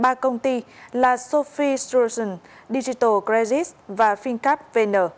điều và các công ty là sophie strussen digital credit và fincapvn